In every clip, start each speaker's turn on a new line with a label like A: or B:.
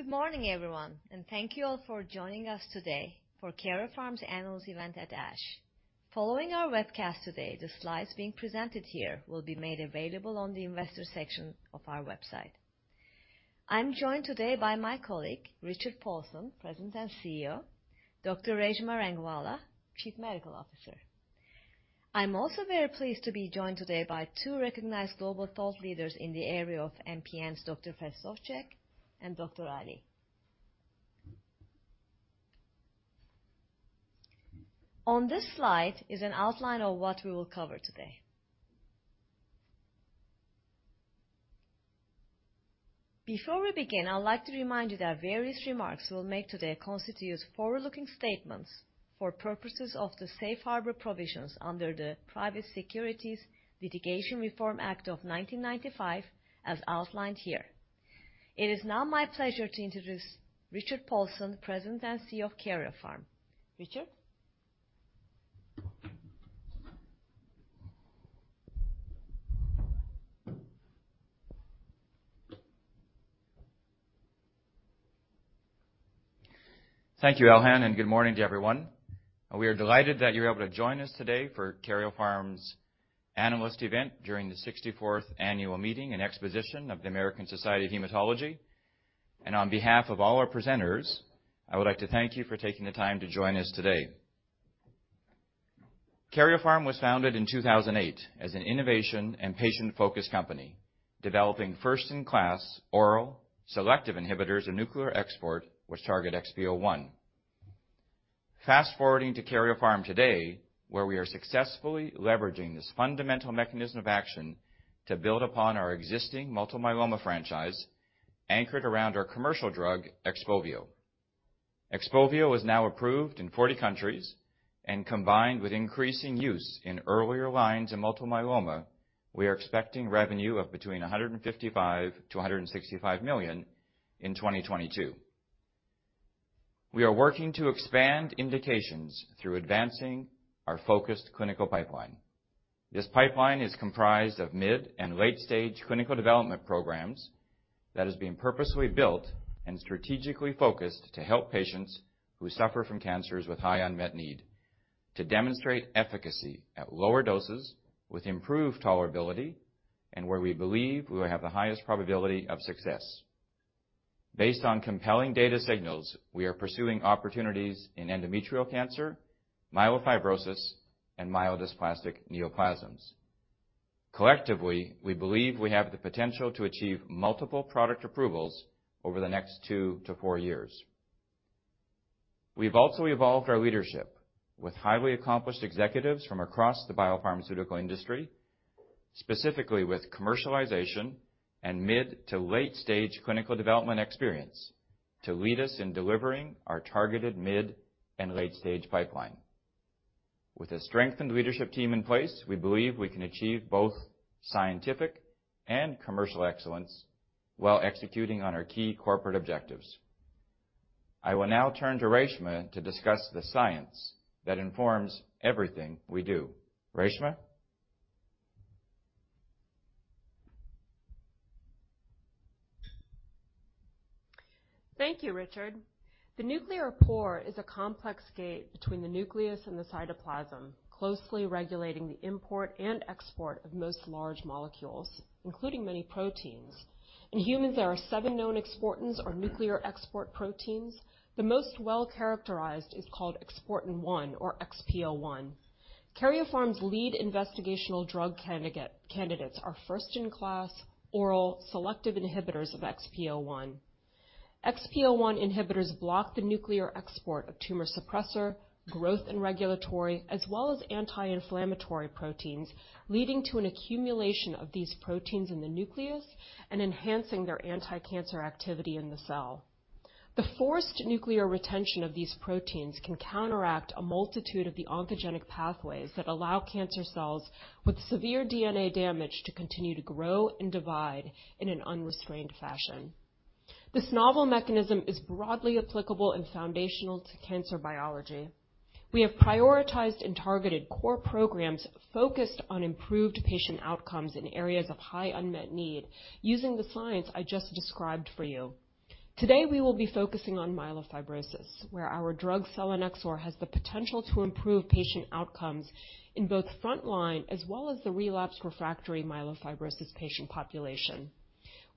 A: Good morning, everyone. Thank you all for joining us today for Karyopharm's analyst event at ASH. Following our webcast today, the slides being presented here will be made available on the investor section of our website. I'm joined today by my colleague, Richard Paulson, President and CEO, and Dr. Reshma Rangwala, Chief Medical Officer. I'm also very pleased to be joined today by two recognized global thought leaders in the area of MPNs, Dr. Verstovsek and Dr. Ali. On this slide is an outline of what we will cover today. Before we begin, I'd like to remind you that various remarks we'll make today constitutes forward-looking statements for purposes of the safe harbor provisions under the Private Securities Litigation Reform Act of 1995, as outlined here. It is now my pleasure to introduce Richard Paulson, President and CEO of Karyopharm. Richard?
B: Thank you, Elhan. Good morning to everyone. We are delighted that you're able to join us today for Karyopharm's analyst event during the 64th annual meeting and exposition of the American Society of Hematology. On behalf of all our presenters, I would like to thank you for taking the time to join us today. Karyopharm was founded in 2008 as an innovation and patient-focused company, developing first-in-class oral selective inhibitors of nuclear export, which target XPO1. Fast-forwarding to Karyopharm today, where we are successfully leveraging this fundamental mechanism of action to build upon our existing multiple myeloma franchise, anchored around our commercial drug, XPOVIO. XPOVIO is now approved in 40 countries, and combined with increasing use in earlier lines in multiple myeloma, we are expecting revenue of between $155 million-$165 million in 2022. We are working to expand indications through advancing our focused clinical pipeline. This pipeline is comprised of mid- and late-stage clinical development programs that is being purposefully built and strategically focused to help patients who suffer from cancers with high unmet need to demonstrate efficacy at lower doses with improved tolerability, and where we believe we have the highest probability of success. Based on compelling data signals, we are pursuing opportunities in endometrial cancer, myelofibrosis, and myelodysplastic neoplasms. Collectively, we believe we have the potential to achieve multiple product approvals over the next two to four years. We've also evolved our leadership with highly accomplished executives from across the biopharmaceutical industry, specifically with commercialization and mid to late-stage clinical development experience to lead us in delivering our targeted mid and late-stage pipeline. With a strengthened leadership team in place, we believe we can achieve both scientific and commercial excellence while executing on our key corporate objectives. I will now turn to Reshma to discuss the science that informs everything we do. Reshma?
C: Thank you, Richard. The nuclear pore is a complex gate between the nucleus and the cytoplasm, closely regulating the import and export of most large molecules, including many proteins. In humans, there are seven known exportins or nuclear export proteins. The most well-characterized is called exportin 1 or XPO1. Karyopharm's lead investigational drug candidates are first-in-class oral selective inhibitors of XPO1. XPO1 inhibitors block the nuclear export of tumor suppressor, growth and regulatory, as well as anti-inflammatory proteins, leading to an accumulation of these proteins in the nucleus and enhancing their anticancer activity in the cell. The forced nuclear retention of these proteins can counteract a multitude of the oncogenic pathways that allow cancer cells with severe DNA damage to continue to grow and divide in an unrestrained fashion. This novel mechanism is broadly applicable and foundational to cancer biology. We have prioritized and targeted core programs focused on improved patient outcomes in areas of high unmet need using the science I just described for you. Today, we will be focusing on myelofibrosis, where our drug selinexor has the potential to improve patient outcomes in both frontline, as well as the relapse refractory myelofibrosis patient population.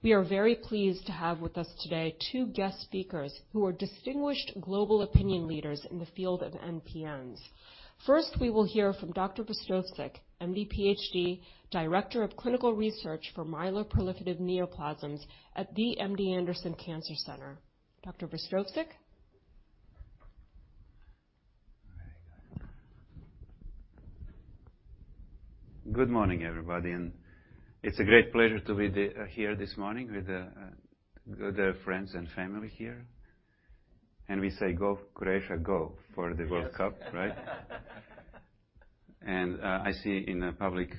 C: We are very pleased to have with us today two guest speakers who are distinguished global opinion leaders in the field of MPNs. First, we will hear from Dr. Verstovsek, MD, PhD, Director of Clinical Research for Myeloproliferative Neoplasms at the MD Anderson Cancer Center. Dr. Verstovsek?
D: Good morning, everybody, and it's a great pleasure to be here this morning with the friends and family here. We say, "Go Croatia, go," for the World Cup, right. I see in public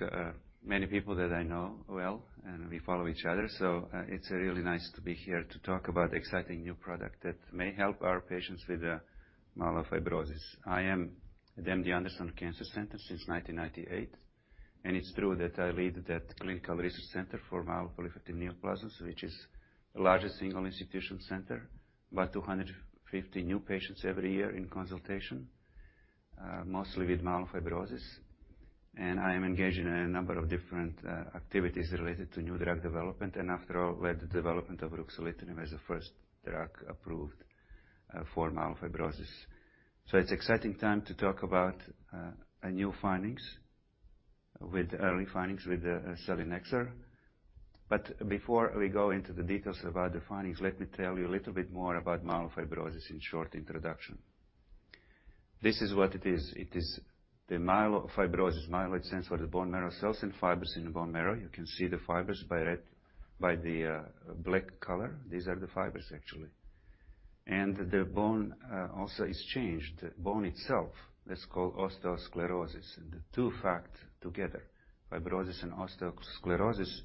D: many people that I know well, and we follow each other. It's really nice to be here to talk about exciting new product that may help our patients with myelofibrosis. I have been at MD Anderson Cancer Center since 1998. And it's true that I lead the clinical research center for myeloproliferative neoplasms, which is the largest single institution center. About 250 new patients every year in consultation, mostly with myelofibrosis. I am engaged in a number of different activities related to new drug development and after all, led the development of ruxolitinib as the first drug approved for myelofibrosis. It's an exciting time to talk about new findings with early findings with the selinexor. Before we go into the details about the findings, let me tell you a little bit more about myelofibrosis in a short introduction. This is what it is. It is myelofibrosis. Myeloid stands for the bone marrow cells, and fibrous in the bone marrow. You can see the fibers by the black color. These are the fibers, actually. The bone also is changed. The bone itself, that's called osteosclerosis. The two factors together, fibrosis and osteosclerosis,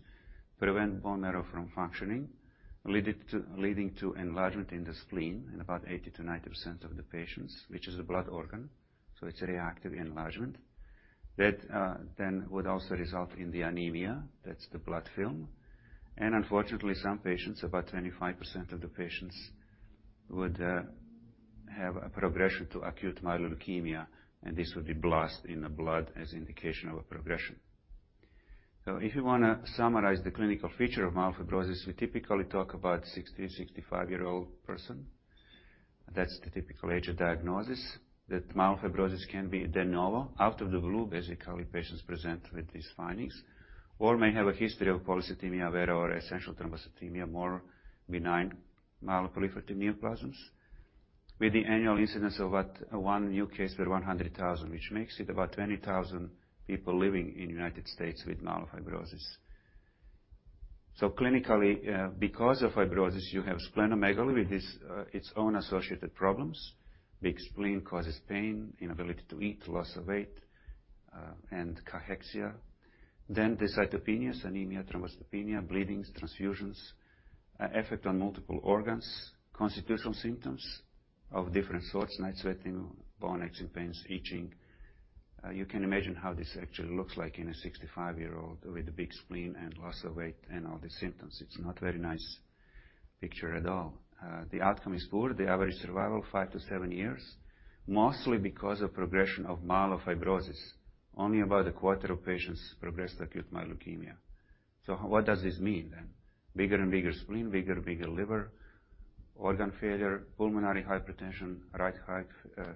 D: prevent bone marrow from functioning, leading to enlargement in the spleen in about 80%-90% of the patients, which is a blood organ, so it's a reactive enlargement. Then would also result in anemia. That's the blood film. Unfortunately, some patients, about 25% of the patients would have a progression to acute myeloid leukemia, and this would be blast in the blood as an indication of a progression. If you wanna summarize the clinical features of myelofibrosis, we typically talk about a 60-65-year-old person. That's the typical age of diagnosis. Myelofibrosis can be de novo, out of the blue. Basically, patients present with these findings or may have a history of polycythemia vera or essential thrombocythemia, more benign myeloproliferative neoplasms. With the annual incidence of about one new case per 100,000, which makes it about 20,000 people living in the United States with myelofibrosis. Clinically, because of fibrosis, you have splenomegaly with its own associated problems. A big spleen causes pain, inability to eat, loss of weight, and cachexia. The cytopenias, anemia, thrombocytopenia, bleedings, and transfusions, affect on multiple organs. Constitutional symptoms of different sorts, night sweating, bone aches and pains, itching. You can imagine how this actually looks like in a 65-year-old with a big spleen and loss of weight and all the symptoms. It's not very nice picture at all. The outcome is poor. The average survival, 5-7 years, mostly because of the progression of myelofibrosis. Only about a quarter of patients progress to acute myeloid leukemia. What does this mean then? Bigger and bigger spleen, bigger and bigger liver, organ failure, pulmonary hypertension, right-heart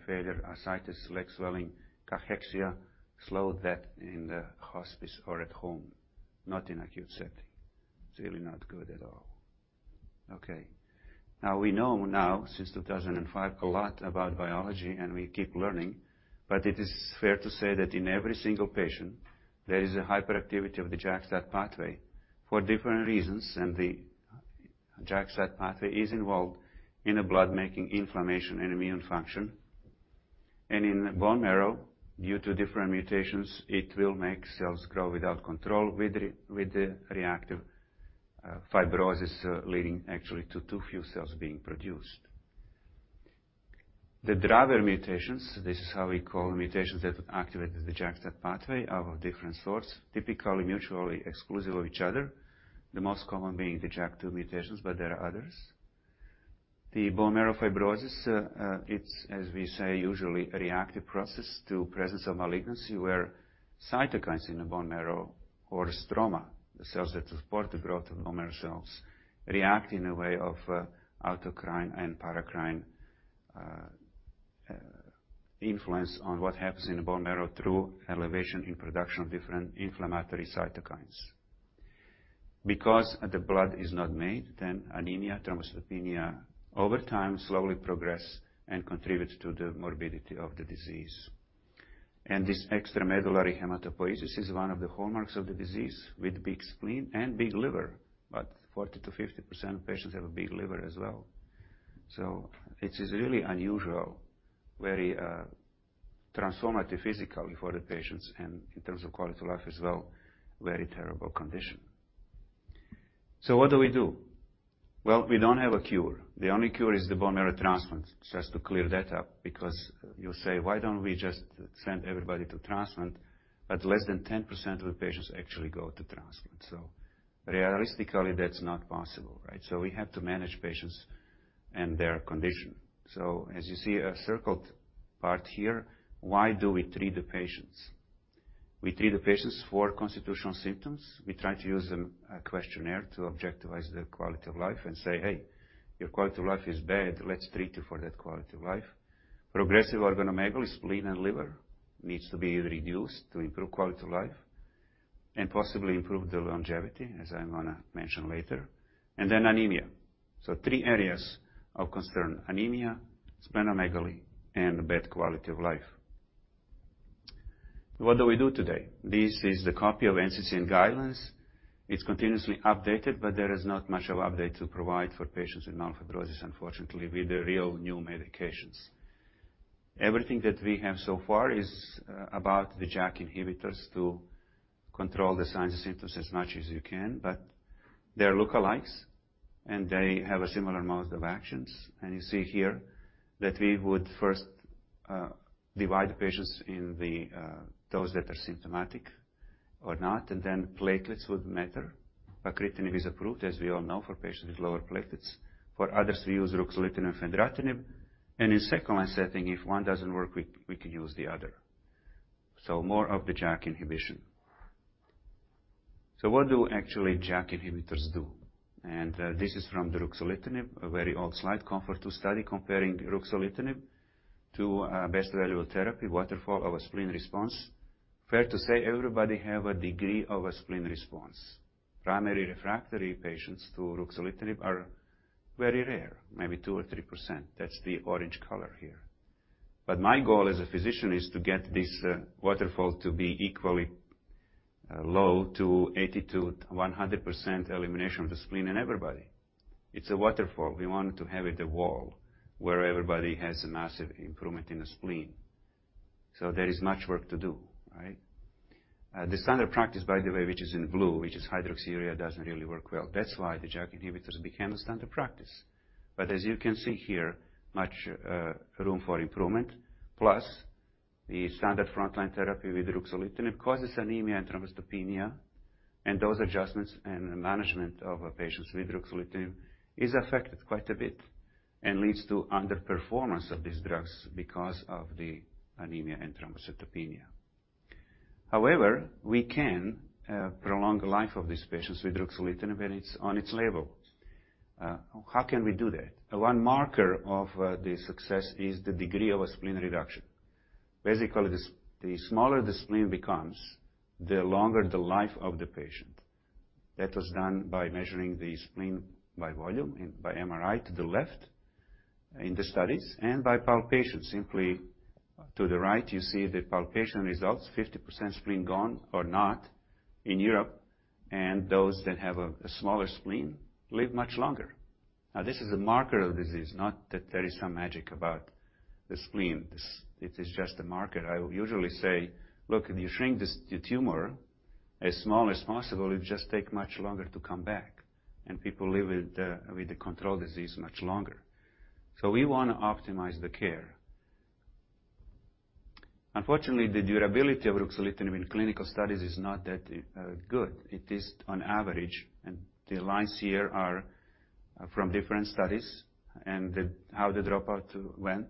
D: failure, ascites, leg swelling, cachexia, slow death in the hospice or at home, not in an acute setting. It's really not good at all. Okay. Now, we know now, since 2005, a lot about biology, and we keep learning. It is fair to say that in every single patient, there is a hyperactivity of the JAK-STAT pathway for different reasons, and the JAK-STAT pathway is involved in blood-making inflammation and immune function. In the bone marrow, due to different mutations, it will make cells grow without control with the reactive fibrosis, leading actually to too few cells being produced. The driver mutations, this is how we call the mutations that activate the JAK-STAT pathway, are of different sorts, typically mutually exclusive of each other, the most common being the JAK2 mutations, but there are others. The bone marrow fibrosis, it's, as we say, usually a reactive process to presence of malignancy, where cytokines in the bone marrow or stroma, the cells that support the growth of bone marrow cells, react in a way of autocrine and paracrine influence on what happens in the bone marrow through elevation in production of different inflammatory cytokines. The blood is not made, then anemia, thrombocytopenia over time slowly progress and contributes to the morbidity of the disease. This extramedullary hematopoiesis is one of the hallmarks of the disease, with big spleen and big liver. About 40% to 50% of patients have a big liver as well. It is really unusual, very transformative physically for the patients and in terms of quality of life as well, very terrible condition. What do we do? Well, we don't have a cure. The only cure is the bone marrow transplant. Just to clear that up, because you'll say, "Why don't we just send everybody to transplant?" Less than 10% of the patients actually go to transplant. Realistically, that's not possible, right? We have to manage patients and their condition. As you see a circled part here, why do we treat the patients? We treat the patients for constitutional symptoms. We try to use a questionnaire to objectify the quality of life and say, "Hey, your quality of life is bad. Let's treat you for that quality of life. Progressive organomegaly, spleen and liver needs to be reduced to improve quality of life and possibly improve the longevity, as I'm gonna mention later. Anemia. Three areas of concern, anemia, splenomegaly, and bad quality of life. What do we do today? This is a copy of the NCCN guidelines. It's continuously updated, but there is not much of update to provide for patients with myelofibrosis, unfortunately, with the real new medications. Everything that we have so far is about the JAK inhibitors to control the signs and symptoms as much as you can, but they're lookalikes. They have a similar modes of actions. You see here that we would first divide the patients in the those that are symptomatic or not, and then platelets would matter. Pacritinib is approved, as we all know, for patients with lower platelets. For others, we use ruxolitinib and fedratinib. In second-line setting, if one doesn't work, we can use the other. More of the JAK inhibition. What do actually JAK inhibitors do? This is from the ruxolitinib, a very old slide, the COMFORT-II study comparing ruxolitinib to best available therapy, waterfall of a spleen response. Fair to say everybody have a degree of a spleen response. Primary refractory patients to ruxolitinib are very rare, maybe 2% or 3%. That's the orange color here. My goal as a physician is to get this waterfall to be equally low to 80%-100% elimination of the spleen in everybody. It's a waterfall. We want to have it a wall where everybody has a massive improvement in the spleen. There is much work to do, right? The standard practice, by the way, which is in blue, which is hydroxyurea, doesn't really work well. That's why the JAK inhibitors became the standard practice. As you can see here, much room for improvement. Plus, the standard frontline therapy with ruxolitinib causes anemia and thrombocytopenia, and those adjustments and management of patients with ruxolitinib is affected quite a bit and leads to underperformance of these drugs because of the anemia and thrombocytopenia. However, we can prolong the life of these patients with ruxolitinib when it's on its label. How can we do that? One marker of the success is the degree of a spleen reduction. Basically, the smaller the spleen becomes, the longer the life of the patient. That was done by measuring the spleen by volume and by MRI to the left in the studies and by palpation. Simply to the right, you see the palpation results, 50% spleen gone or not in Europe. Those that have a smaller spleen live much longer. This is a marker of disease, not that there is some magic about the spleen. This is just a marker. I usually say, "Look, if you shrink this, the tumor as small as possible, it just take much longer to come back, and people live with the controlled disease much longer." We wanna optimize the care. Unfortunately, the durability of ruxolitinib in clinical studies is not that good. It is on average. The lines here are from different studies and how the dropout went.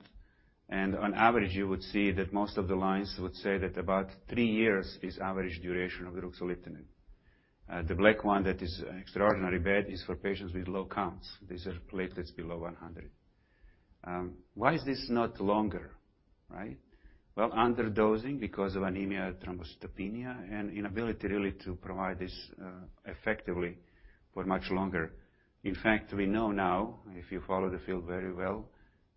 D: On average, you would see that most of the lines would say that about 3 years is average duration of ruxolitinib. The black one that is extraordinary bad is for patients with low counts. These are platelets below 100. Why is this not longer, right? Underdosing because of anemia, thrombocytopenia, and inability really to provide this effectively for much more longer. We know now, if you follow the field very well,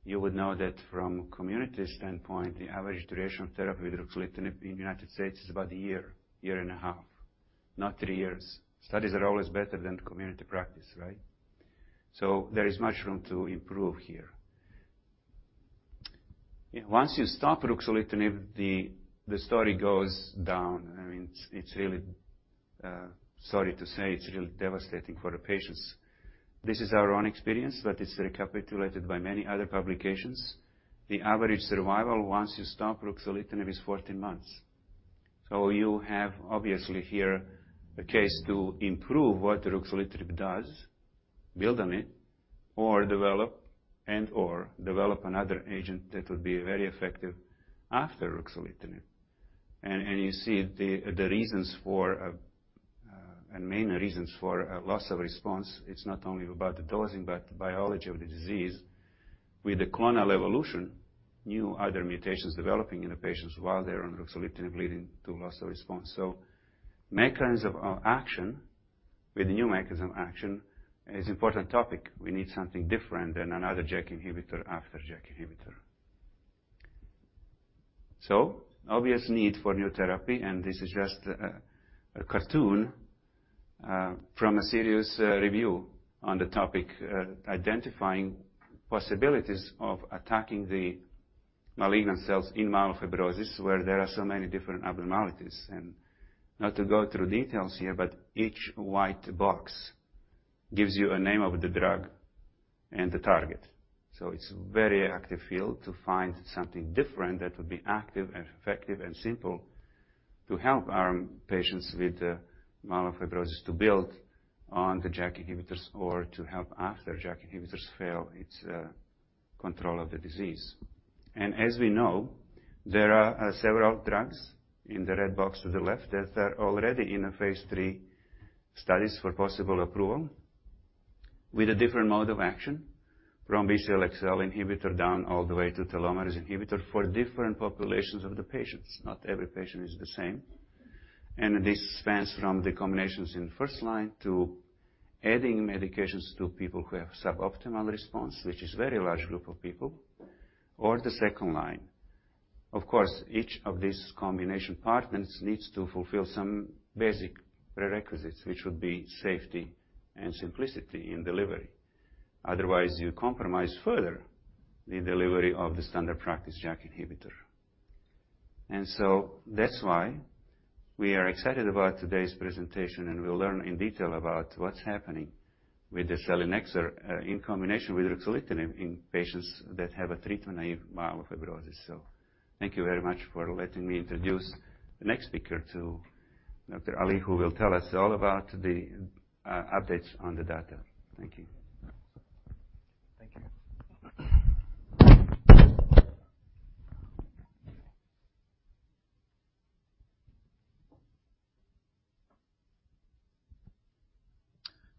D: you would know that from community standpoint, the average duration of therapy with ruxolitinib in the United States is about 1 year, 1 and a half-years, not 3 years. Studies are always better than community practice, right? There is much room to improve here. Once you stop ruxolitinib, the story goes down. I mean, it's really, sorry to say, it's really devastating for the patients. This is our own experience, it's recapitulated by many other publications. The average survival once you stop Ruxolitinib is 14 months. You have obviously here a case to improve what Ruxolitinib does, build on it, or develop, and/or develop another agent that would be very effective after Ruxolitinib. You see the reasons for a and main reasons for a loss of response, it's not only about the dosing but the biology of the disease. With the clonal evolution, new other mutations developing in the patients while they're on Ruxolitinib leading to loss of response. Mechanisms of action with new mechanism action is important topic. We need something different than another JAK inhibitor after JAK inhibitor. Obvious need for new therapy. This is just a cartoon from a serious review on the topic identifying possibilities of attacking the malignant cells in myelofibrosis, where there are so many different abnormalities. Not to go through details here, but each white box gives you a name of the drug and the target. It's very active field to find something different that would be active and effective and simple to help our patients with myelofibrosis to build on the JAK inhibitors or to help after JAK inhibitors fail its control of the disease. As we know, there are several drugs in the red box to the left that are already in phase 3 studies for possible approval with a different mode of action. From BCL-xL inhibitor down all the way to telomerase inhibitor for different populations of patients. Not every patient is the same. This spans from the combinations in the first line to adding medications to people who have a suboptimal response, which is very large group of people, or the second line. Of course, each of these combination partners needs to fulfill some basic prerequisites, which would be safety and simplicity in delivery. Otherwise, you compromise further the delivery of the standard practice JAK inhibitor. That's why we are excited about today's presentation, and we'll learn in detail about what's happening with selinexor in combination with ruxolitinib in patients that have a treatment-naive myelofibrosis. Thank you very much for letting me introduce the next speaker to Dr. Ali, who will tell us all about the updates on the data. Thank you.
E: Thank you.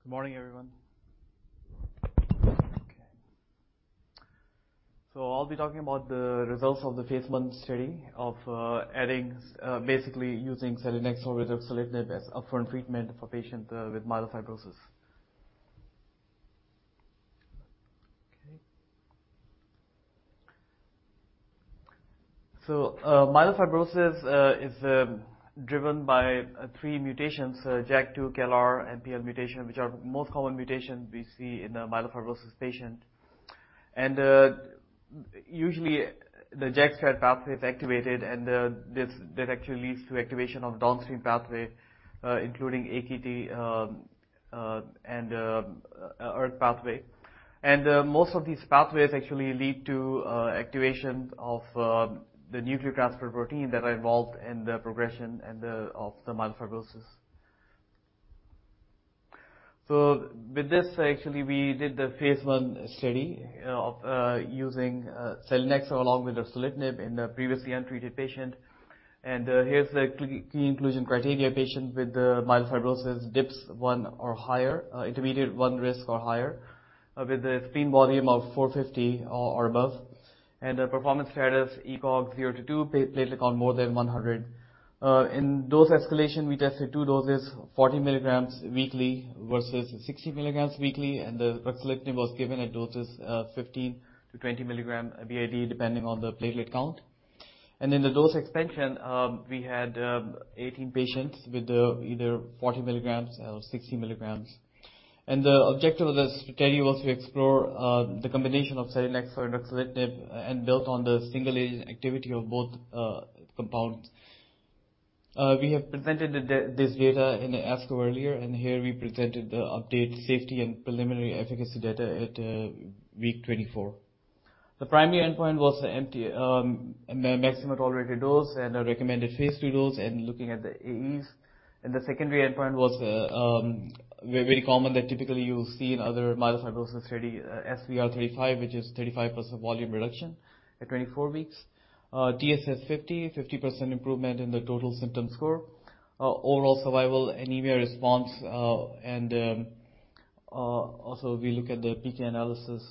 E: Good morning, everyone. I'll be talking about the results of the phase one study of basically using selinexor with ruxolitinib as upfront treatment for patients with myelofibrosis. Myelofibrosis is driven by three mutations, JAK2, CALR and MPL mutation, which are most common mutations we see in the myelofibrosis patient. Usually the JAK-STAT pathway is activated, that actually leads to activation of the downstream pathways, including AKT and ERK pathway. Most of these pathways actually lead to activation of the nuclear transfer protein that are involved in the progression of the myelofibrosis. With this, actually, we did the phase one study of using selinexor along with ruxolitinib in the previously untreated patient. Here's the key inclusion criteria, patient with the myelofibrosis DIPSS-1 or higher, intermediate 1 risk or higher, with a spleen volume of 450 or above. performance status ECOG 0 to 2, platelet count more than 100. In dose escalation, we tested two doses, 40 milligrams weekly versus 60 milligrams weekly, and the ruxolitinib was given at doses of 15 to 20 milligrams BID, depending on the platelet count. In the dose expansion, we had 18 patients with either 40 milligrams or 60 milligrams. The objective of the study was to explore the combination of selinexor and ruxolitinib and built on the single-agent activity of both compounds. We have presented this data in the ASCO earlier. Here we presented the update safety and preliminary efficacy data at week 24. The primary endpoint was the empty maximum tolerated dose and a recommended phase two dose and looking at the AEs. The secondary endpoint was very common that typically you'll see in other myelofibrosis study, SVR35, which is 35% volume reduction at 24 weeks. TSS50, 50% improvement in the total symptom score. Overall survival, anemia response, and also we look at the PK analysis.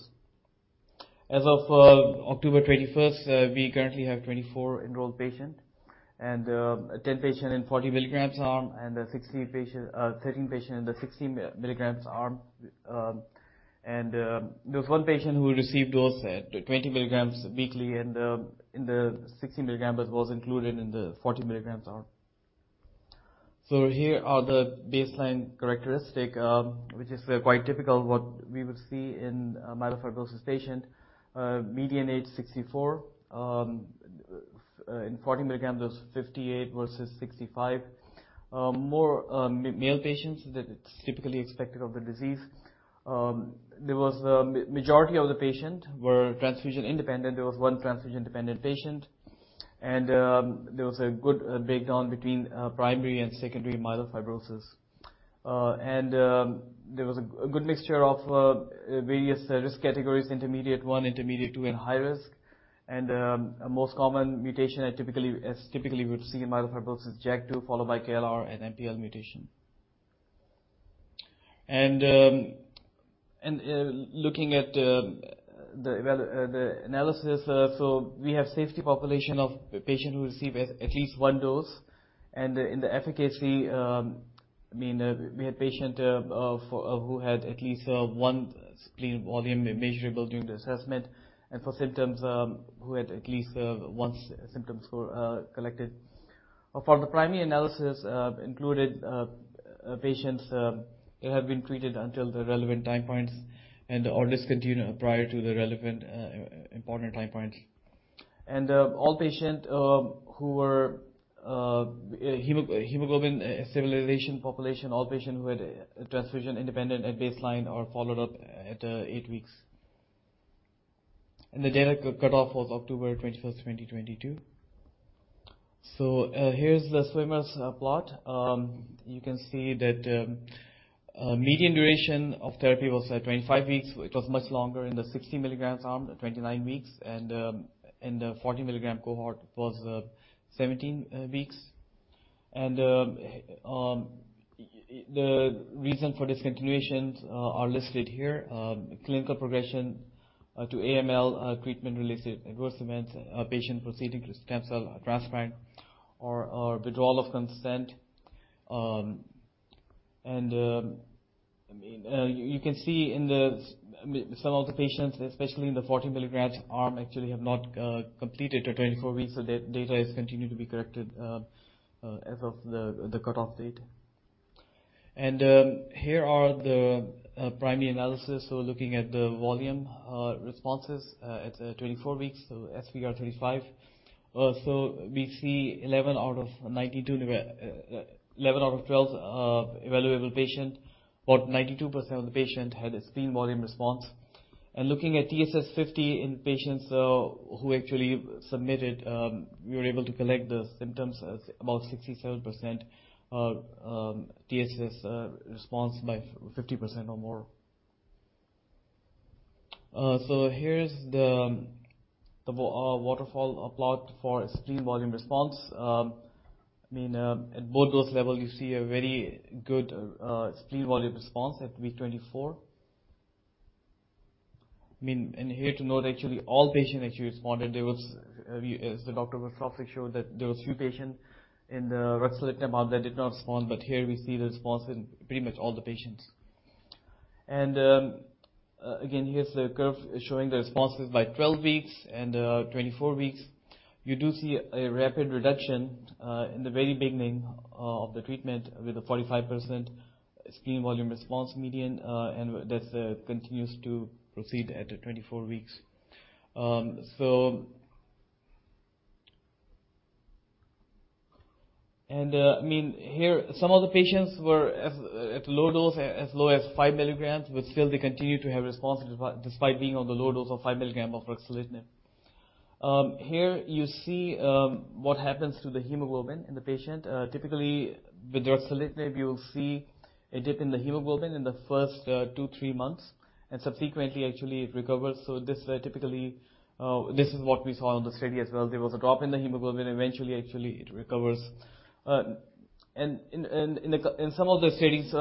E: As of October 21st, we currently have 24 enrolled patient, and 10 patient in 40 milligrams arm and 13 patients in the 60 milligrams arm. There was 1 patient who received those 20 milligrams weekly and in the 60 milligrams was included in the 40 milligrams arm. Here are the baseline characteristic, which is quite typical what we would see in a myelofibrosis patient. Median age 64, in 40 milligrams, 58 versus 65. More male patients that it's typically expected of the disease. There was majority of the patient were transfusion-independent. There was 1 transfusion-dependent patient. There was a good breakdown between primary and secondary myelofibrosis. There was a good mixture of various risk categories, intermediate one, intermediate two, and high risk. A most common mutation, as typically we've seen in myelofibrosis, JAK2, followed by CALR and MPL mutation. Looking at the analysis, we have safety population of the patient who receive at least 1 dose. In the efficacy, I mean, we had patient who had at least 1 spleen volume measurable during the assessment and for symptoms, who had at least 1 symptom score collected. For the primary analysis included patients who have been treated until the relevant time points or discontinued prior to the relevant important time points. All patient who were hemoglobin stabilization population, all patient who had transfusion independent at baseline or followed up at 8 weeks. The data cut-off was October 21st, 2022. Here's the swimmer's plot. You can see that median duration of therapy was 25 weeks. It was much longer in the 60 milligrams arm, at 29 weeks. In the 40 milligrams cohort was 17 weeks. The reason for discontinuations are listed here. Clinical progression to AML, treatment-related adverse events, patient proceeding to stem cell transplant or withdrawal of consent. I mean, you can see in some of the patients, especially in the 40 milligrams arm, actually have not completed the 24 weeks, so data is continued to be collected as of the cutoff date. Here are the primary analysis. Looking at the volume responses at 24 weeks. SVR35. We see 11 out of 12 evaluable patient, about 92% of the patient had a spleen volume response. Looking at TSS50 in patients who actually submitted, we were able to collect the symptoms as about 67% TSS response by 50% or more. Here is the waterfall plot for spleen volume response. I mean, at both those levels you see a very good spleen volume response at week 24. I mean, here to note actually all patients actually responded. As the doctor showed that there was a few patients in the ruxolitinib arm that did not respond, here we see the response in pretty much all the patients. Again, here's the curve showing the responses by 12 weeks and 24 weeks. You do see a rapid reduction in the very beginning of the treatment with a 45% spleen volume response median. That continues to proceed at 24 weeks. I mean, here some of the patients were at low dose as low as 5 milligrams, but still they continued to have response despite being on the low dose of 5 milligrams of ruxolitinib. Here you see what happens to the hemoglobin in the patient. Typically with ruxolitinib, you'll see a dip in the hemoglobin in the first 2, 3 months, and subsequently actually it recovers. This typically, this is what we saw in the study as well. There was a drop in the hemoglobin, eventually actually it recovers. In some of the studies,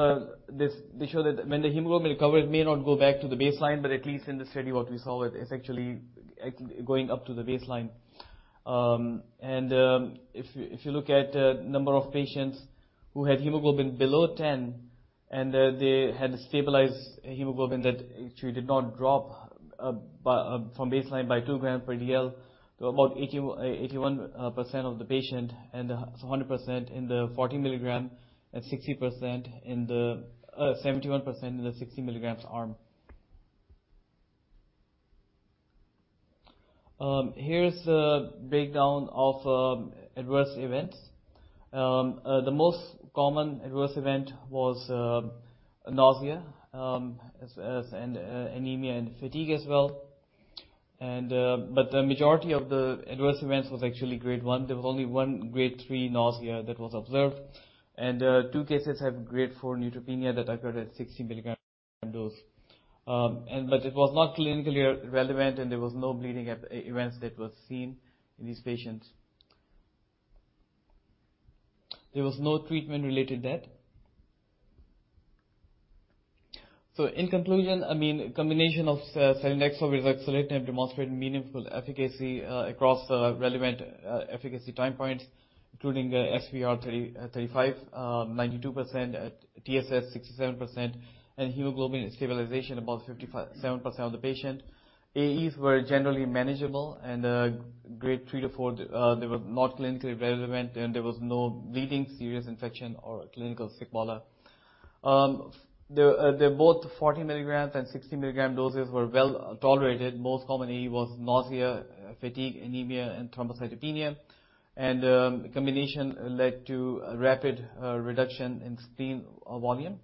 E: they show that when the hemoglobin recovers, it may not go back to the baseline, but at least in the study what we saw it's actually going up to the baseline. If you look at number of patients who had hemoglobin below 10 and they had stabilized hemoglobin that actually did not drop from baseline by 2 gram per dL to about 81% of the patient and the 100% in the 40 milligrams and 60% in the 71% in the 60 milligrams arm. Here's a breakdown of adverse events. The most common adverse event was nausea, anemia and fatigue as well. The majority of the adverse events was actually grade 1. There was only 1 grade 3 nausea that was observed. 2 cases have grade 4 neutropenia that occurred at 60 milligrams dose. It was not clinically relevant, and there was no bleeding at the events that was seen in these patients. There was no treatment-related death. In conclusion, I mean, combination of selinexor with ruxolitinib demonstrated meaningful efficacy across relevant efficacy time points, including SVR35, 92%, at TSS 67%, and hemoglobin stabilization about 57% of the patient. AEs were generally manageable. Grade 3 to 4, they were not clinically relevant, and there was no bleeding, serious infection or clinical sequelae. The both 40 milligrams and 60 milligrams doses were well tolerated. Most common AE was nausea, fatigue, anemia and thrombocytopenia. Combination led to a rapid reduction in spleen volume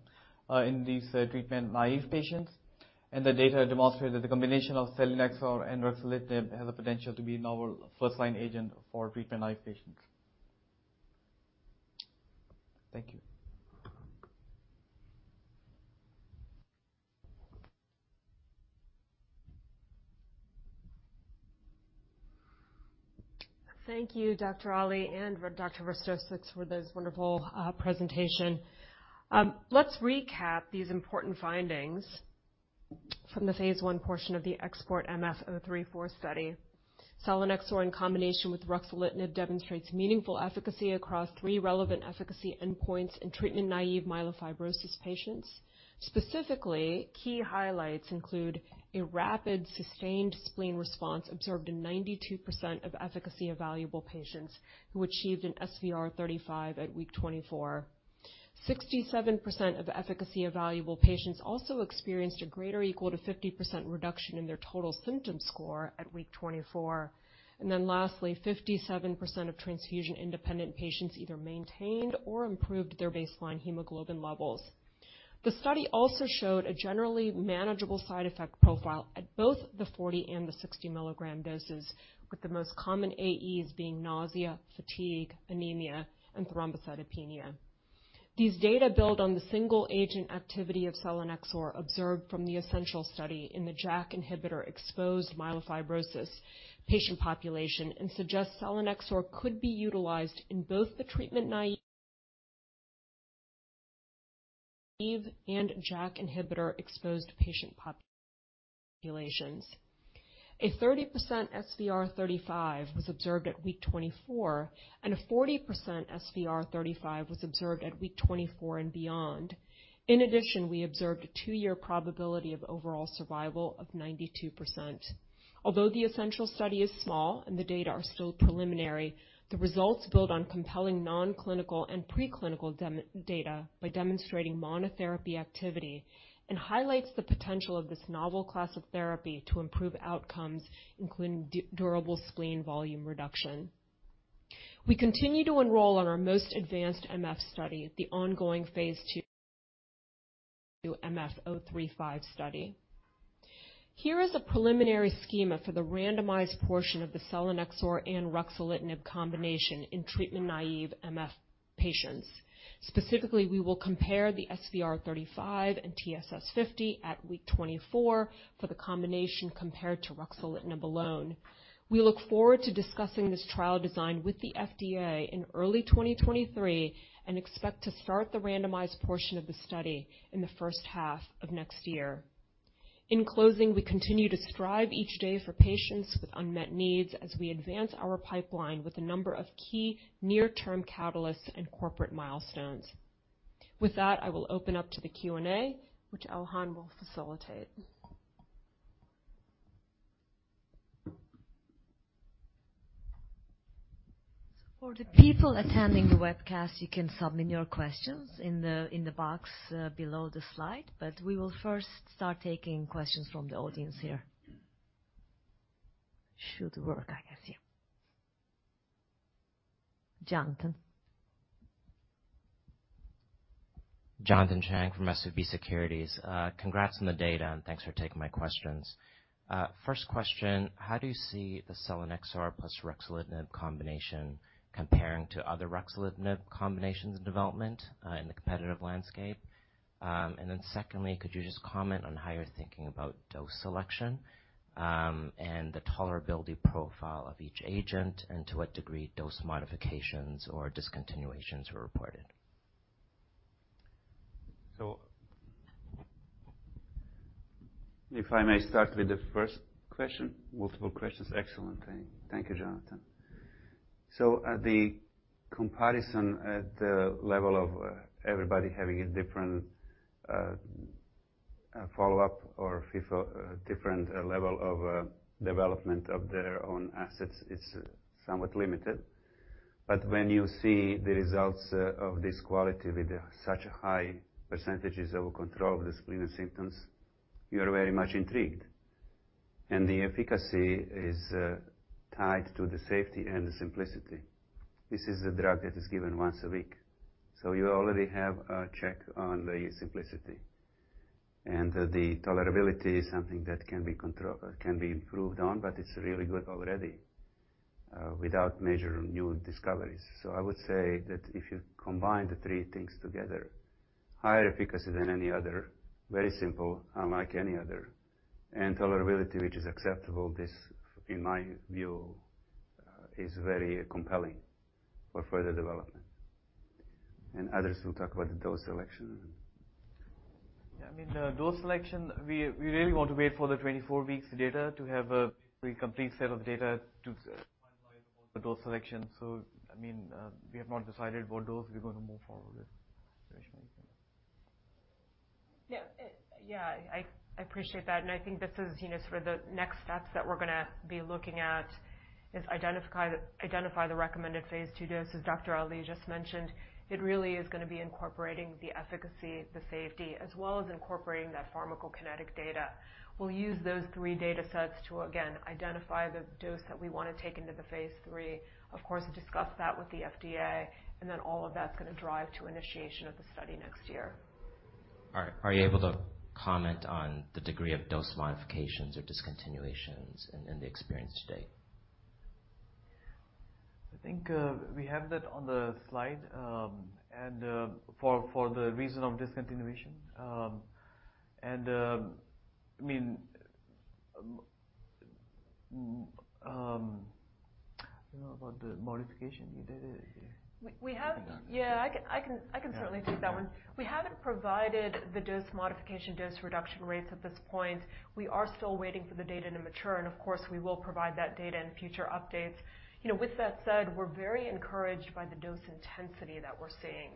E: in these treatment-naive patients. The data demonstrated that the combination of selinexor and ruxolitinib has the potential to be novel first-line agent for treatment-naive patients. Thank you.
C: Thank you, Dr. Ali and Dr. Verstovsek for this wonderful presentation. Let's recap these important findings from the phase 1 portion of the XPORT-MF-034 study. Selinexor in combination with ruxolitinib demonstrates meaningful efficacy across three relevant efficacy endpoints in treatment-naive myelofibrosis patients. Specifically, key highlights include a rapid sustained spleen response observed in 92% of efficacy-evaluable patients, who achieved an SVR35 at week 24. 67% of efficacy-evaluable patients also experienced a greater equal to 50% reduction in their total symptom score at week 24. Lastly, 57% of transfusion-independent patients either maintained or improved their baseline hemoglobin levels. The study also showed a generally manageable side effect profile at both the 40 and the 60 milligrams doses, with the most common AEs being nausea, fatigue, anemia and thrombocytopenia. These data build on the single-agent activity of selinexor observed from the ESSENTIAL study in the JAK inhibitor-exposed myelofibrosis patient population and suggest selinexor could be utilized in both the treatment-naive and JAK inhibitor-exposed patient populations. A 30% SVR35 was observed at week 24, and a 40% SVR35 was observed at week 24 and beyond. In addition, we observed a 2-year probability of overall survival of 92%. Although the ESSENTIAL study is small and the data are still preliminary, the results build on compelling non-clinical and pre-clinical data by demonstrating monotherapy activity and highlights the potential of this novel class of therapy to improve outcomes, including durable spleen volume reduction. We continue to enroll on our most advanced MF study at the ongoing phase 2 XPORT-MF-035 study. Here is a preliminary schema for the randomized portion of the selinexor and ruxolitinib combination in treatment-naive MF patients. Specifically, we will compare the SVR35 and TSS50 at week 24 for the combination compared to ruxolitinib alone. We look forward to discussing this trial design with the FDA in early 2023 and expect to start the randomized portion of the study in the first half of next year. We continue to strive each day for patients with unmet needs as we advance our pipeline with a number of key near-term catalysts and corporate milestones. With that, I will open up to the Q&A, which Elhan will facilitate.
A: For the people attending the webcast, you can submit your questions in the box, below the slide. We will first start taking questions from the audience here. Should work, I guess. Yeah. Jonathan.
F: Jonathan Chang from SVB Securities. Congrats on the data, thanks for taking my questions. First question, how do you see the selinexor plus ruxolitinib combination comparing to other ruxolitinib combinations in development, in the competitive landscape? Secondly, could you just comment on how you're thinking about dose selection, and the tolerability profile of each agent, and to what degree dose modifications or discontinuations were reported?
D: If I may start with the first question, multiple questions. Excellent. Thank you, Jonathan. The comparison at the level of everybody having a different follow-up or different level of development of their own assets is somewhat limited. When you see the results of this quality with such high percentages of control of the spleen and symptoms, you are very much intrigued. The efficacy is tied to the safety and the simplicity. This is a drug that is given once a week, you already have a check on the simplicity. The tolerability is something that can be controlled or can be improved on, but it's really good already without major new discoveries. I would say that if you combine the three things together, higher efficacy than any other, very simple, unlike any other, and tolerability, which is acceptable, this, in my view, is very compelling for further development. Others will talk about the dose selection.
E: Yeah, I mean, the dose selection, we really want to wait for the 24-weeks data to have a pretty complete set of data to finalize the dose selection. I mean, we have not decided what dose we're gonna move forward with. Reshma, you can...
C: Yeah. Yeah, I appreciate that. I think this is, you know, sort of the next steps that we're gonna be looking at is identify the recommended phase 2 dose, as Dr. Ali just mentioned. It really is gonna be incorporating the efficacy, the safety, as well as incorporating that pharmacokinetic data. We'll use those 3 data sets to again, identify the dose that we wanna take into the phase 3. Of course, discuss that with the FDA, and then all of that's gonna drive to initiation of the study next year.
F: Are you able to comment on the degree of dose modifications or discontinuations in the experience to date?
E: I think, we have that on the slide, and for the reason of discontinuation. I mean, you know, about the modification you did.
C: We have. Yeah, I can certainly take that one. We haven't provided the dose modification, dose reduction rates at this point. We are still waiting for the data to mature. Of course, we will provide that data in future updates. You know, with that said, we're very encouraged by the dose intensity that we're seeing.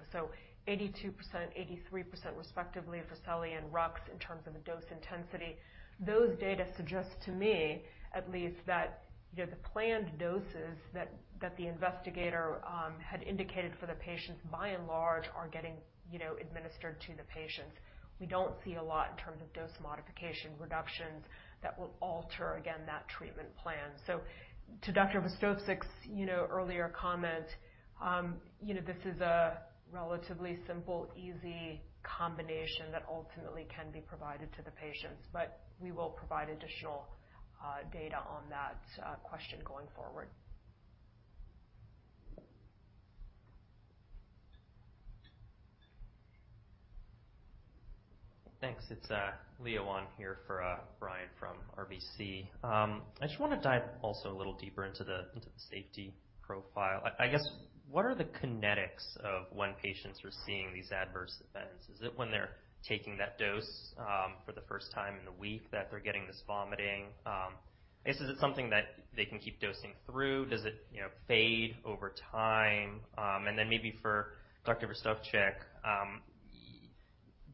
C: 82%, 83% respectively for Seli and Rux in terms of the dose intensity. Those data suggest to me at least that, you know, the planned doses that the investigator had indicated for the patients by and large are getting, you know, administered to the patients. We don't see a lot in terms of dose modification reductions that will alter again that treatment plan. To Dr.Verstovsek's, you know, earlier comment, you know, this is a relatively simple, easy combination that ultimately can be provided to the patients. We will provide additional data on that question going forward.
G: Thanks. It's Leo Wan here for Brian from RBC. I just wanna dive also a little deeper into the safety profile. I guess, what are the kinetics of when patients are seeing these adverse events? Is it when they're taking that dose for the first time in a week that they're getting this vomiting? I guess, is it something that they can keep doing through? Does it, you know, fade over time? Maybe for Dr. Verstovsek,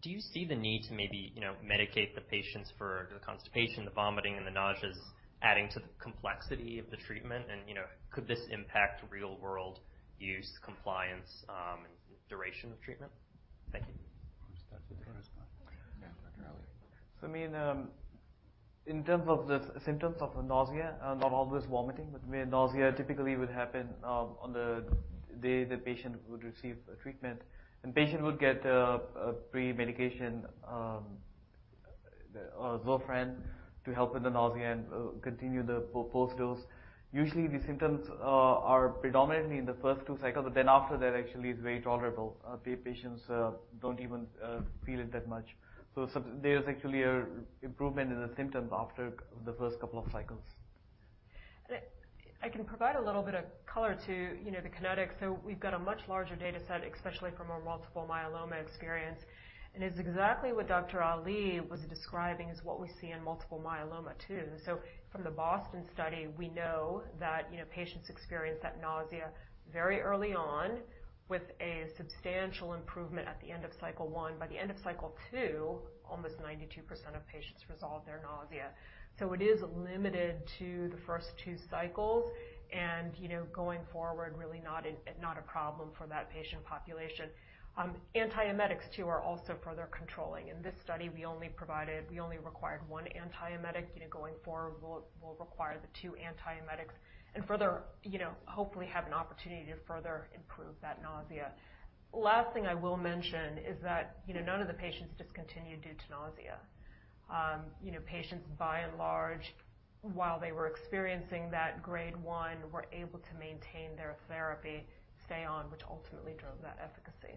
G: do you see the need to maybe, you know, medicate the patients for the constipation, the vomiting, and the nausea adding to the complexity of the treatment and, you know, could this impact real-world use compliance, and duration of treatment? Thank you.
D: Who starts with this one? Yeah, Dr. Ali.
E: I mean, in terms of the symptoms of the nausea, not always vomiting, but where nausea typically would happen, on the day the patient would receive treatment. Patient would get a pre-medication, Zofran to help with the nausea and continue the post-dose. Usually, the symptoms are predominantly in the first two cycles, but then after that actually is very tolerable. The patients don't even feel it that much. There's actually an improvement in the symptoms after the first couple of cycles.
C: I can provide a little bit of color to, you know, the kinetics. We've got a much larger data set, especially from our multiple myeloma experience. It's exactly what Dr. Ali was describing is what we see in multiple myeloma too. From the BOSTON study, we know that, you know, patients experience that nausea very early on with a substantial improvement at the end of cycle 1. By the end of cycle 2, almost 92% of patients resolve their nausea. It is limited to the first 2 cycles and, you know, going forward, really not a problem for that patient population. Antiemetics too are also further controlling. In this study, we only required one antiemetic. You know, going forward, we'll require the two antiemetics and further, you know, hopefully have an opportunity to further improve that nausea. Last thing I will mention is that, you know, none of the patients discontinued due to nausea. You know, patients by and large, while they were experiencing that grade 1, were able to maintain their therapy, stay on, which ultimately drove that efficacy.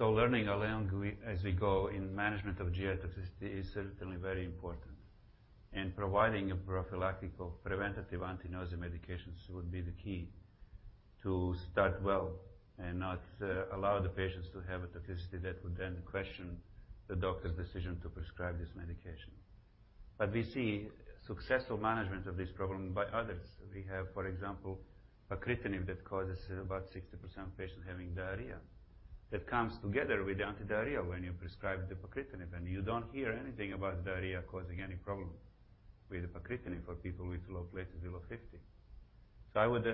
D: Learning along as we go in management of GI toxicity is certainly very important. Providing a prophylactic or preventative anti-nausea medications would be the key to start well and not allow the patients to have a toxicity that would then question the doctor's decision to prescribe this medication. We see successful management of this problem by others. We have, for example, Pacritinib that causes about 60% of patients having diarrhea. That comes together with the anti-diarrhea when you prescribe the pacritinib, and you don't hear anything about diarrhea causing any problem with the Pacritinib for people with low platelets below 50. I would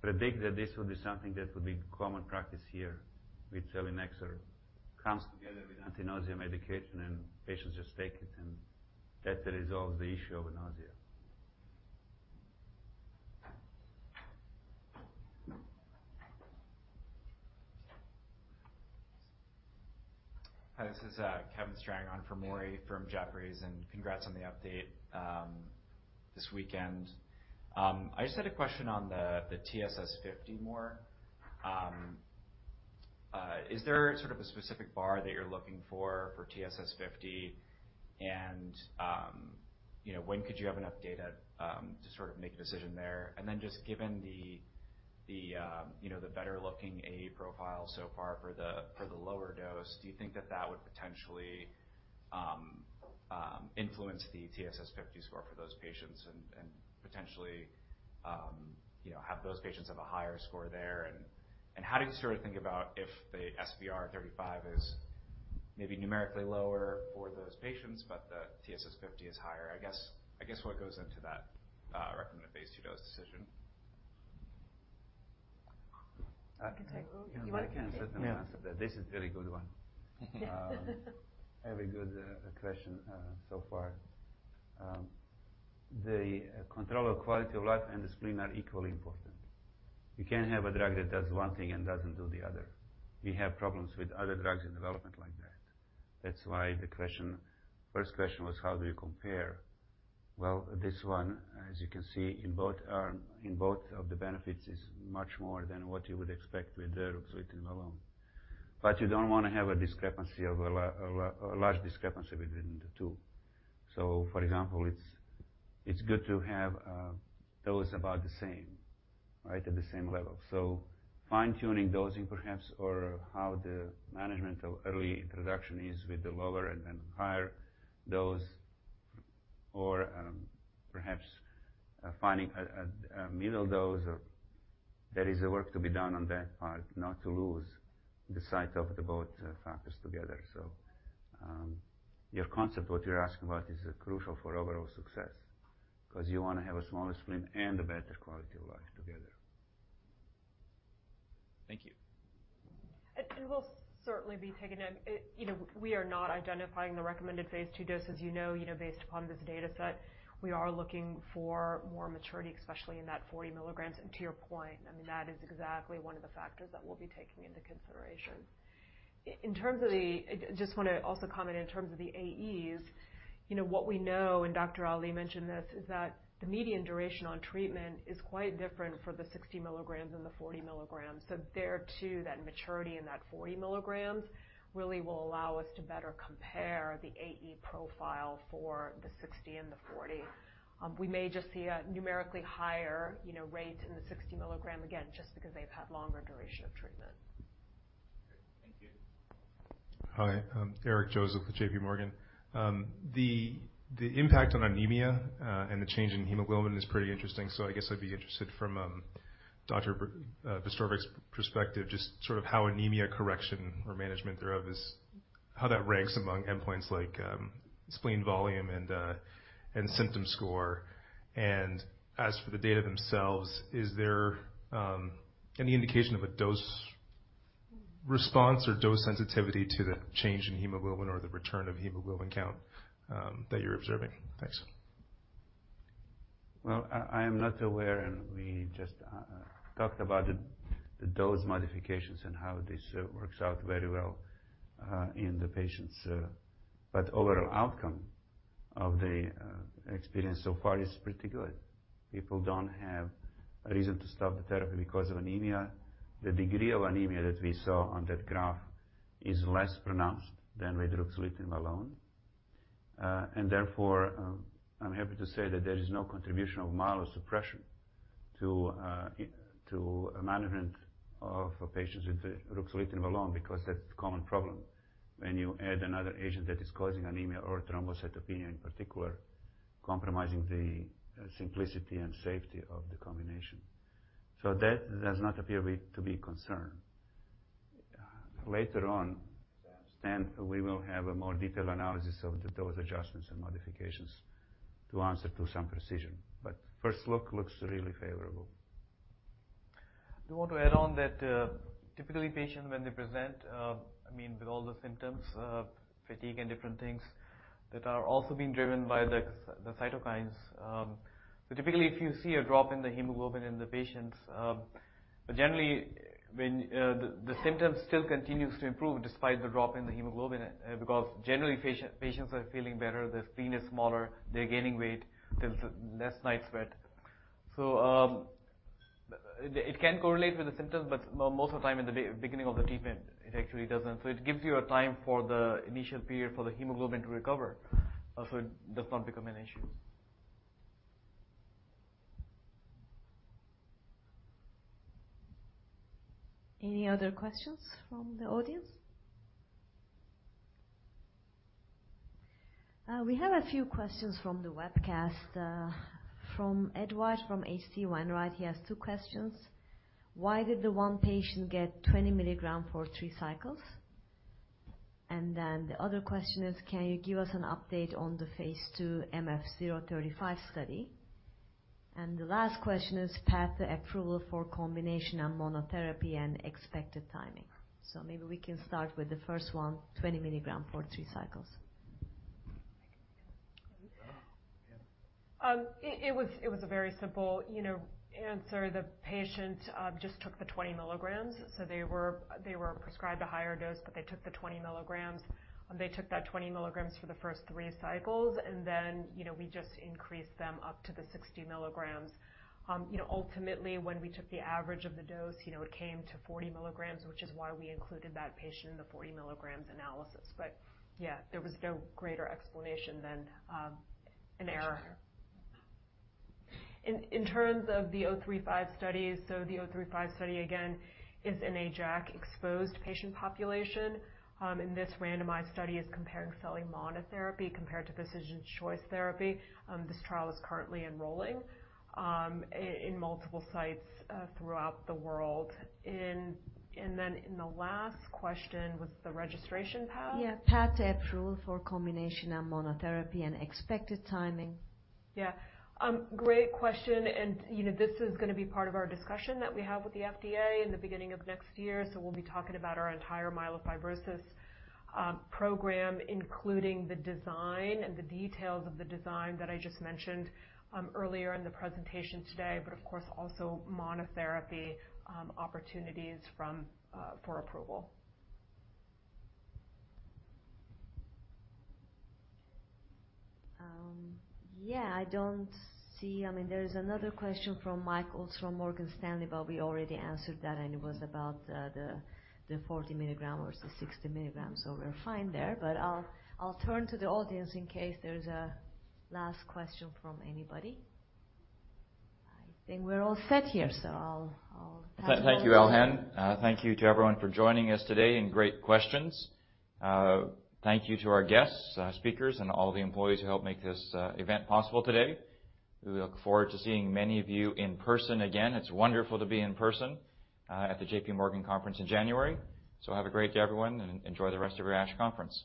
D: predict that this would be something that would be common practice here with selinexor, comes together with anti-nausea medication, and patients just take it, and that resolves the issue of nausea.
H: Hi, this is Kevin Strang on for Mori from Jefferies. Congrats on the update this weekend. I just had a question on the TSS50 more. Is there sort of a specific bar that you're looking for for TSS50? You know, when could you have enough data to sort of make a decision there? Just given the, you know, the better-looking AE profile so far for the lower dose, do you think that that would potentially influence the TSS50 score for those patients and potentially, you know, have those patients have a higher score there? How do you sort of think about if the SVR35 is maybe numerically lower for those patients, but the TSS50 is higher? I guess what goes into that, recommended phase two dose decision?
C: I can take. You want to take it?
D: I can certainly answer that. This is very good one. Very good question so far. The control of quality of life and the spleen are equally important. You can't have a drug that does one thing and doesn't do the other. We have problems with other drugs in development like that. That's why the question, first question was, how do you compare? Well, this one, as you can see in both, in both of the benefits, is much more than what you would expect with the ruxolitinib alone. You don't wanna have a discrepancy of a large discrepancy between the two. For example, it's good to have those about the same, right? At the same level. Fine-tuning dosing perhaps, or how the management of early introduction is with the lower and then higher dose or, perhaps, finding a middle dose of... There is work to be done on that part not to lose the sight of the both factors together. Your concept, what you're asking about is crucial for overall success 'cause you wanna have a smaller spleen and a better quality of life together.
H: Thank you.
C: It will certainly be taken in. It, you know, we are not identifying the recommended phase 2 dose, as you know. You know, based upon this data set, we are looking for more maturity, especially in that 40 milligrams. To your point, I mean, that is exactly one of the factors that we'll be taking into consideration. In terms of the... I just wanna also comment in terms of the AEs. You know, what we know, and Dr. Ali mentioned this, is that the median duration on treatment is quite different for the 60 milligrams and the 40 milligrams. There too, that maturity in those 40 milligrams really will allow us to better compare the AE profile for the 60 and the 40. We may just see a numerically higher, you know, rate in the 60 milligrams again, just because they've had longer duration of treatment.
H: Great. Thank you.
I: Hi, I'm Eric Joseph with JPMorgan. The impact on anemia and the change in hemoglobin is pretty interesting. I guess I'd be interested from Dr. Verstovsek's perspective, just sort of how anemia correction or management thereof is. How does that ranks among endpoints like spleen volume and symptom score. As for the data themselves, is there any indication of a dose response or dose sensitivity to the change in hemoglobin or the return of hemoglobin count that you're observing? Thanks.
D: Well, I am not aware, and we just talked about the dose modifications and how this works out very well in the patients. Overall outcome of the experience so far is pretty good. People don't have a reason to stop the therapy because of anemia. The degree of anemia that we saw on that graph is less pronounced than with ruxolitinib alone. Therefore, I'm happy to say that there is no contribution of mild suppression to management of patients with the ruxolitinib alone, because that's a common problem when you add another agent that is causing anemia or thrombocytopenia in particular, compromising the simplicity and safety of the combination. That does not appear to be a concern. Later on, we will have a more detailed analysis of the dose adjustments and modifications to answer to some precision. First look, looks really favorable.
E: I want to add on that, typically patient when they present, I mean, with all the symptoms of fatigue and different things that are also being driven by the cytokines. Typically if you see a drop in the hemoglobin in the patients, but generally when the symptoms still continues to improve despite the drop in the hemoglobin, because generally patients are feeling better, their spleen is smaller, they're gaining weight, there's less night sweat. It can correlate with the symptoms, but most of the time in the beginning of the treatment, it actually doesn't. It gives you a time for the initial period for the hemoglobin to recover, so it does not become an issue.
A: Any other questions from the audience? We have a few questions from the webcast, from Edward, from H.C. Wainwright. He has 2 questions. Why did the 1 patient get 20 milligrams for 3 cycles? The other question is, can you give us an update on the phase 2 MF 035 study? The last question is, path to approval for combination and monotherapy and expected timing. Maybe we can start with the first 1, 20 milligramss for 3 cycles.
C: It was a very simple, you know, answer. The patient just took the 20 milligrams, so they were prescribed a higher dose, but they took the 20 milligrams. They took that 20 milligrams for the first 3 cycles and then, you know, we just increased them up to the 60 milligrams. You know, ultimately, when we took the average of the dose, you know, it came to 40 milligrams, which is why we included that patient in the 40 milligrams analysis. There was no greater explanation than an error.
A: Thank you.
C: In terms of the 035 studies, the 035 study again is in a JAK-exposed patient population. This randomized study is comparing selinexor monotherapy compared to physician's choice therapy. This trial is currently enrolling in multiple sites throughout the world. In the last question, was the registration path?
A: Yeah, path to approval for combination and monotherapy and expected timing.
C: Yeah. great question. You know, this is gonna be part of our discussion that we have with the FDA in the beginning of next year. We'll be talking about our entire myelofibrosis program, including the design and the details of the design that I just mentioned earlier in the presentation today. Of course, also monotherapy opportunities from for approval.
A: Yeah, I don't see... I mean, there is another question from Michael from Morgan Stanley. We already answered that, and it was about the 40 milligram versus 60 milligrams. We're fine there. I'll turn to the audience in case there's a last question from anybody. I think we're all set here. I'll thank-
I: Thank you, Elhan. Thank you to everyone for joining us today and great questions. Thank you to our guests, speakers, and all the employees who helped make this event possible today. We look forward to seeing many of you in person again. It's wonderful to be in person at the JP Morgan conference in January. Have a great day everyone, and enjoy the rest of your ASH conference.